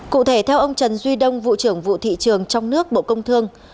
cụ thể theo ông trần duy đông vụ trưởng vụ thị trường trong nước bộ công thương